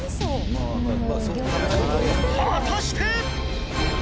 果たして。